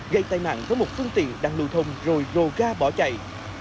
gây tai nạn với một phương tiện đang lưu thông rồi rồ ga bỏ chạy